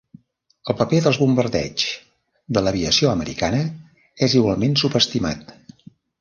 El paper dels bombardeigs de l'aviació americana és igualment subestimat.